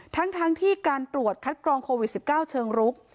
ทั้งที่การตรวจคัดกรองโควิด๑๙เชิงรุก